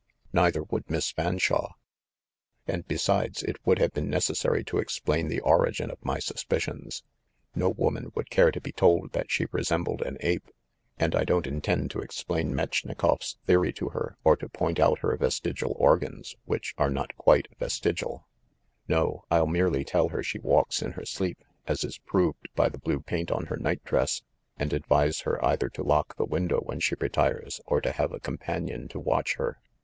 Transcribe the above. "Neither would Miss Fanshawe. And b'esides, it would have been necessary to explain the origin of my suspicions. No woman would care to be told that she resembled an ape, and I don't intend to explain Metch nikoff's theory to her or to point out her vestigial or gans which are not quite vestigial. No, I'll merely tell her she walks in her sleep, as is proved by the blue paint on her night dress, and advise her either to lock 82 THE MASTER OF MYSTERIES the window when she retires or to have a companion to watch her.